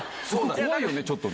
怖いよね、ちょっとね。